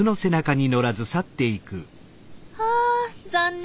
あ残念。